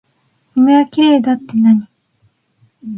君はきれいだってなに。